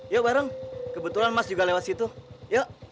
ya bareng kebetulan mas juga lewat situ yuk